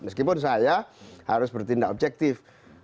meskipun saya harus bertindak objektif